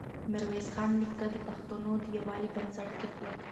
ميرويس خان نیکه د پښتنو د يووالي بنسټ کېښود.